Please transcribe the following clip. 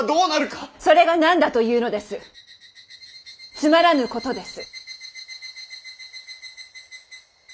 つまらぬことです。